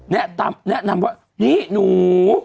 แนะนำว่านี่หนู